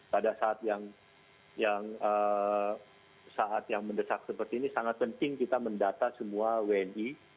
pada saat yang saat yang mendesak seperti ini sangat penting kita mendata semua wni